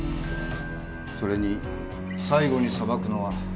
それに最後に裁くのは